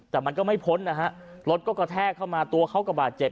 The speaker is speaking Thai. แต่มันก็ไม่พ้นนะฮะรถก็กระแทกเข้ามาตัวเขาก็บาดเจ็บ